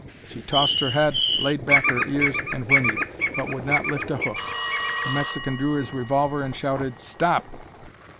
She tossed her head, laid back her ears, and whinnied, but would not lift a hoof. The Mexican drew his revolver and shouted, "Stop!"